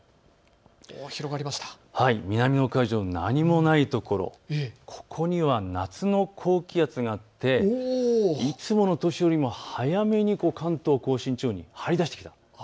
南の海上、何もないところ、ここには夏の高気圧があっていつもの年よりも早めに関東甲信地方に張り出してきた。